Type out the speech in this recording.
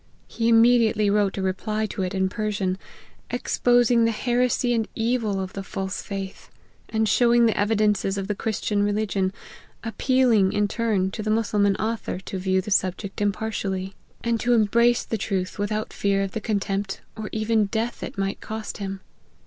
He immediately wrote a reply to it in Persian, exposing the heresy and evil of the false faith, and showing the evidences of the Christian re ligion ; appealing, in turn, to the Mussulman author 'to view the subject impartially, and to embrace the 150 LIFE OF HENRY MARTYN. truth without fear of the contempt, or even death it might cost him.